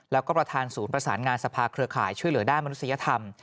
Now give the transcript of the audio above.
แล้วก็ประธานศูนย์ประสานงานสภาเครือข่ายช่วยเหลือด้านมนุษยธรรม